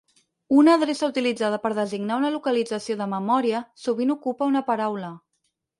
Una adreça utilitzada per designar una localització de memòria sovint ocupa una paraula.